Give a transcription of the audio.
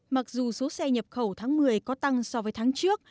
mặc dù số xe nhập khẩu tháng một mươi có tăng so với tháng trước